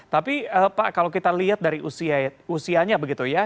tapi pak kalau kita lihat dari usianya begitu ya